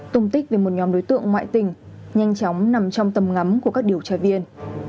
tung tích về một nhóm đối tượng ngoại tình nhanh chóng nằm trong tầm ngắm của các điều tra viên